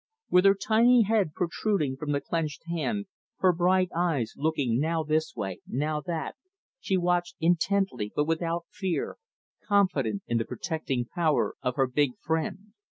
With her tiny head protruding from the clenched hand, her bright eyes looking now this way, now that, she watched intently, but without fear, confident in the protecting power of her big friend.